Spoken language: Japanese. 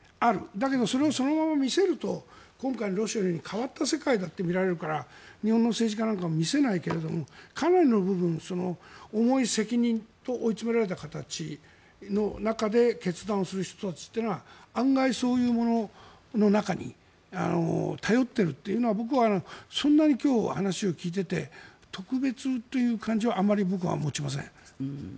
だけど、それをそのまま見せると今回のロシアのように変わった世界だって見られるから日本の政治家なんかも見せないけれどもかなりの部分、重い責任と追い詰められた形の中で決断をする人たちというのは案外、そういうものの中に頼っているというのは僕はそんなに今日、話を聞いていて特別という感じはあまり僕は持ちません。